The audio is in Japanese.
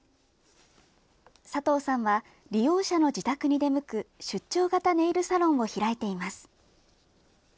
佐藤さんは利用者の自宅に出向く出張型ネイルサロンを開いています。